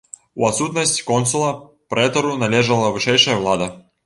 У адсутнасць консула прэтару належала вышэйшая ўлада.